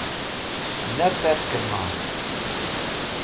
Ne perkẽlẽma?